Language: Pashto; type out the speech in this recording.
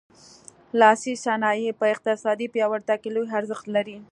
لاسي صنایع په اقتصادي پیاوړتیا کې لوی ارزښت لري.